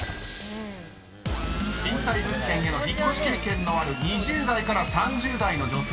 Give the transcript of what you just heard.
［賃貸物件への引っ越し経験のある２０代から３０代の女性］